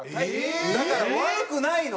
だから悪くないの。